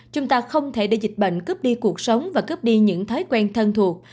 chúng ta không thể để dịch bệnh cướp đi cuộc sống và cướp đi những thói quen thân thuộc